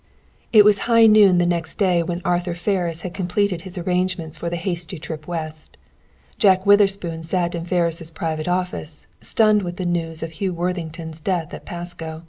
It was high noon the next day when Arthur Ferris had completed his arrangements for the hasty trip West. Jack Witherspoon sat in Ferris' private office, stunned with the news of Hugh Worthington's death at Pasco.